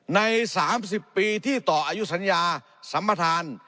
ใน๓๐ปีที่ต่ออายุสัญญาสัมประธาน